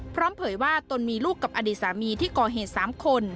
พร้อมเผยว่าตนมีลูกกับอดีศภูมิที่ก่อเหตุ๓คน